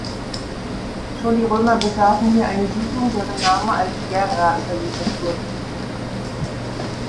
Schon die Römer besaßen hier eine Siedlung, deren Name als "Gerra" überliefert wurde.